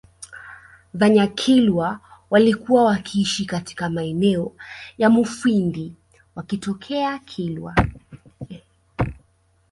Vanyakilwa walikuwa wakiishi katika maeneo ya Mufindi wakitokea Kilwa